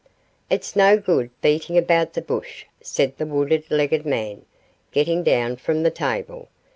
'It's no good beating about the bush,' said the wooden legged man, getting down from the table.